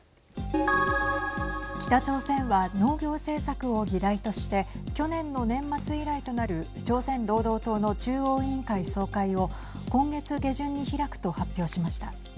北朝鮮は農業政策を議題として去年の年末以来となる朝鮮労働党の中央委員会総会を今月下旬に開くと発表しました。